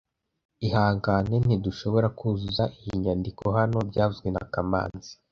Ihangane, ntidushobora kuzuza iyi nyandiko hano byavuzwe na kamanzi